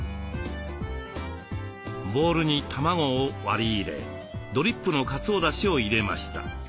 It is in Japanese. ボウルに卵を割り入れドリップのかつおだしを入れました。